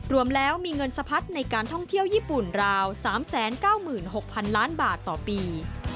รวมแล้วมีเงินสะพัดในการท่องเที่ยวญี่ปุ่นราว๓๙๖๐๐๐ล้านบาทต่อปี